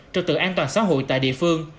trực tự an toàn xã hội tại địa phương